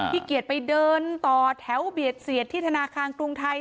พี่เกียจไปเดินต่อแถวเบียดเสียดที่ธนาคารกรุงไทย